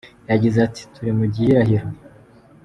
Yagize ati “ Turi mu gihirahiro.